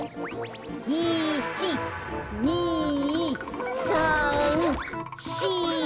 １２３４。